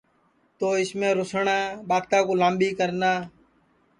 تو اُس میں روسٹؔا ٻاتا کُو لامٻی کرنا